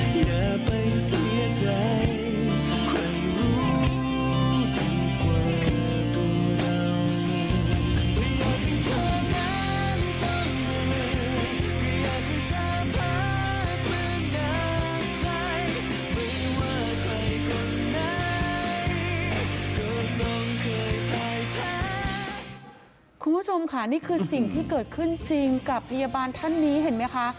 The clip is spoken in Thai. คุณผู้ชมค่ะนี่คือสิ่งที่เกิดขึ้นจริงกับพยาบาลท่านนี้เห็นไหมคะ